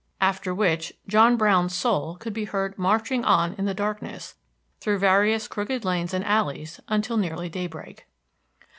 After which, John Brown's "soul" could be heard "marching on" in the darkness, through various crooked lanes and alleys, until nearly daybreak.